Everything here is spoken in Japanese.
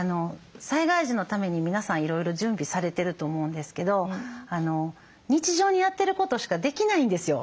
災害時のために皆さんいろいろ準備されてると思うんですけど日常にやってることしかできないんですよ。